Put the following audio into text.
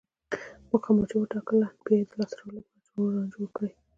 موخه مو چې وټاکله، بیا یې د لاسته راوړلو لپاره پلان جوړ کړئ.